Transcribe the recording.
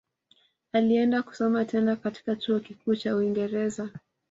Alienda kusoma tena katika chuo kikuu cha uingereza